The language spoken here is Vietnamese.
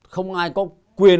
không ai có quyền